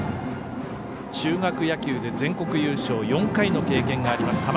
中学野球で全国優勝４回の経験があります